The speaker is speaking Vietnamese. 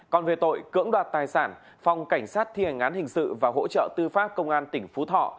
còn về tội cưỡng đoạt tài sản phòng cảnh sát thi hành án hình sự và hỗ trợ tư pháp công an tỉnh phú thọ